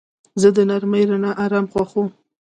زه د نرمې رڼا آرام خوښوم.